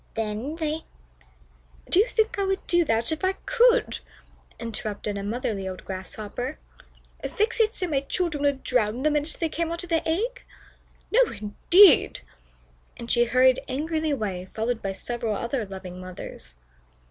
Then they " "Do you think I would do that if I could?" interrupted a motherly old Grasshopper. "Fix it so my children would drown the minute they came out of the egg? No, indeed!" and she hurried angrily away, followed by several other loving mothers.